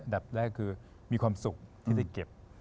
ดับแรกคือมีความสุขที่ได้เก็บ